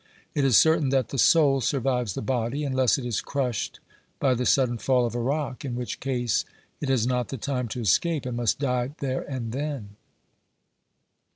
It is certain that the soul survives the bvody unless it is crushed by the sudden fall of a rock, in which case it has not the time to escape, and must die there and then.